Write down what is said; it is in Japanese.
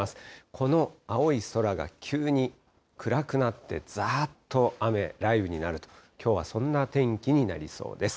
この青い空が急に暗くなって、ざーっと雨や雷雨になると、きょうはそんな天気になりそうです。